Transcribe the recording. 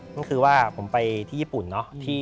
นั่นคือว่าผมไปที่ญี่ปุ่นเนาะ